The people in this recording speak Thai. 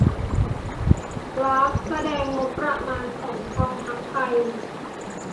กราฟแสดงงบประมาณของกองทัพไทย